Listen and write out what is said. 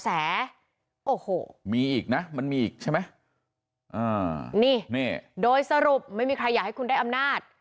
โอ้โหมีอีกนะมันมีอีกใช่ไหมอ่านี่นี่โดยสรุปไม่มีใครอยากให้คุณได้อำนาจ